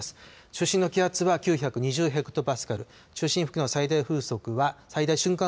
中心の気圧は９２０ヘクトパスカル、中心付近の最大瞬間